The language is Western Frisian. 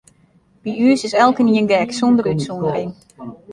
By ús is elkenien gek, sûnder útsûndering.